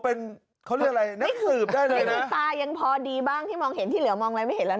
เป็นเขาเรียกอะไรนักสืบได้เลยนะน้ำตายังพอดีบ้างที่มองเห็นที่เหลือมองอะไรไม่เห็นแล้วนะ